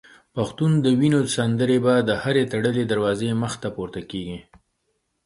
پښتون د وینو سندري به د هري تړلي دروازې مخته پورته کیږي